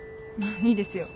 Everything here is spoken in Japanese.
いいですよ。